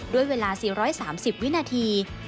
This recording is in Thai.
ด้วยเวลา๔๓๐วินาที